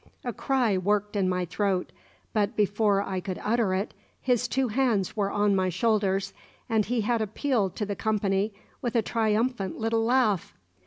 A cry worked in my throat, but before I could utter it his two hands were on my shoulders, and he had appealed to the company with a triumphant little laugh.